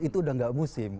itu udah nggak musim